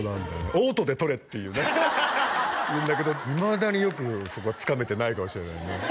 オートで撮れっていうねだけどいまだによくそこはつかめてないかもしれないね